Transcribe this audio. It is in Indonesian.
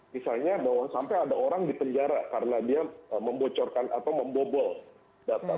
misalnya bahwa sampai ada orang di penjara karena dia membocorkan atau membobol data